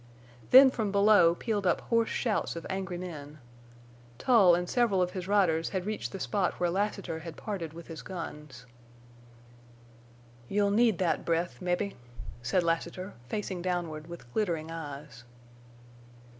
Then from below pealed up hoarse shouts of angry men. Tull and several of his riders had reached the spot where Lassiter had parted with his guns. "You'll need that breath—mebbe!" said Lassiter, facing downward, with glittering eyes.